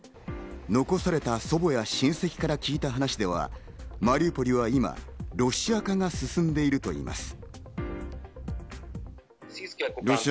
残された祖母や親戚から聞いた話ではマリウポリは今ロシア化が進んでいるといいます。